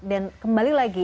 dan kembali lagi